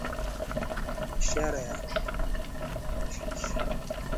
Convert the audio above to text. biashara ya ngambo ya Sahara ambako hasa chumvi dhahabu na